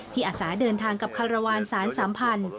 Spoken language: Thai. อาสาเดินทางกับคารวาลสารสัมพันธ์